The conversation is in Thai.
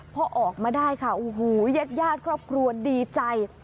พอออกมาได้ค่ะโอ้โหเย็ดครอบครัวดีใจ